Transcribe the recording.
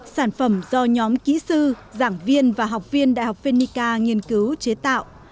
sản phẩm do nhóm kỹ sư giảng viên và học viên đại học phenica nghiên cứu chế tạo